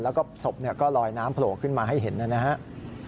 แล้วก็ศพก็ลอยน้ำโผล่ขึ้นมาให้เห็นนะครับ